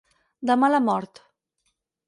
De mala mort.